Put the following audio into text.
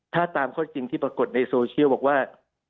ถ้าตามข้อจริงที่ปรากฏในโซเชียลบอกว่า